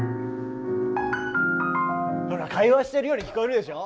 ほら会話してるように聞こえるでしょ？